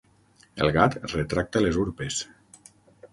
El gat retracta les urpes.